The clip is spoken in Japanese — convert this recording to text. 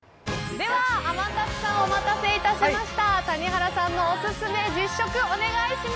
では天達さんお待たせいたしました。